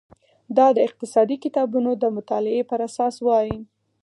دا د اقتصادي کتابونو د مطالعې پر اساس وای.